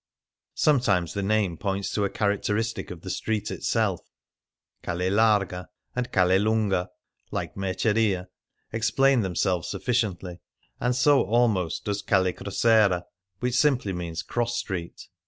Sometimes the name points to a characteristic of the street itself " Calle Laro^a " and " Calle Lunga " (like " Merceria ") explain themselves sufficiently, and so almost does " Calle Crosera,"^ which simply means " Cross Street."'